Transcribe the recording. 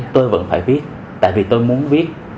tôi vẫn phải viết tại vì tôi muốn viết